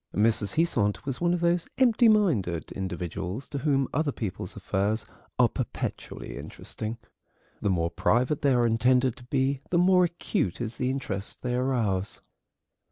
Mrs. Heasant was one of those empty minded individuals to whom other people's affairs are perpetually interesting. The more private they are intended to be the more acute is the interest they arouse.